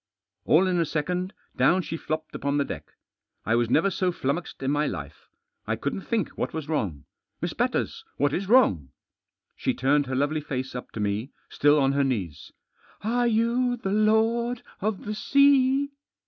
All in a second down she flopped upon the deck. I was never so flummoxed in my life. I couldn't think what was wrong. " Miss Batters ! What is wrong ?" She turned her lovely face up to me — still on her knees. " Are you the lord of the sea